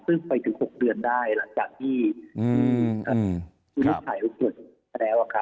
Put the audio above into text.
ซึ่งไปถึง๖เดือนได้หลังจากที่มันหายทุกส่วนแล้วครับ